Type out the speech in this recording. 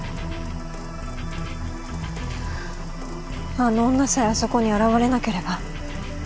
あの女さえあそこに現れなければ。